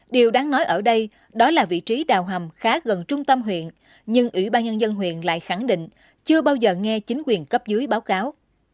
điều đáng nói ở đây đó là vị trí đào hầm khá gần trung tâm huyện nhưng ủy ban nhân dân huyện lại khẳng định chưa bao giờ nghe chính quyền cấp dưới báo cáo